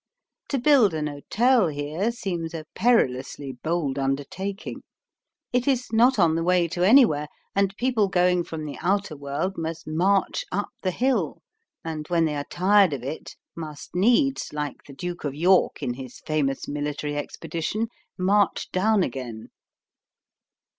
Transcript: To build an hotel here seems a perilously bold undertaking. It is not on the way to anywhere, and people going from the outer world must march up the hill, and, when they are tired of it, must needs, like the Duke of York in his famous military expedition, march down again.